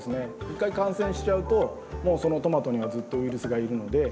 一回感染しちゃうともうそのトマトにはずっとウイルスがいるので。